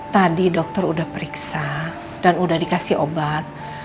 tadi dokter udah periksa dan udah dikasih obat